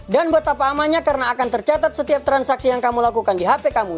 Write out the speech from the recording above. dan betapa amannya karena akan tercatat setiap transaksi yang kamu lakukan di hp kamu